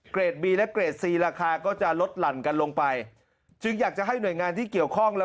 บีและเกรดซีราคาก็จะลดหลั่นกันลงไปจึงอยากจะให้หน่วยงานที่เกี่ยวข้องและ